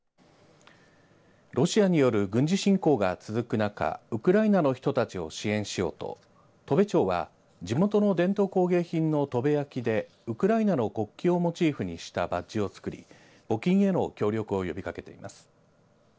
ロシアによる軍事侵攻が続く中ウクライナの人たちを支援しようと砥部町は地元の伝統工芸品の砥部焼でウクライナの国旗をモチーフにしたバッジをつくり募金への協力を呼びかけています。